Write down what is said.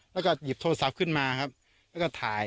แล้วก็หยิบโทรศัพท์ขึ้นมาครับแล้วก็ถ่าย